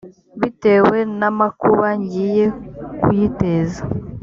bitewe n amakuba ngiye kuyiteza